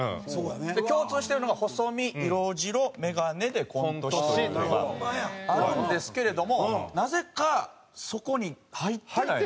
共通してるのが細身色白メガネでコント師というのがあるんですけれどもなぜかそこに入ってない。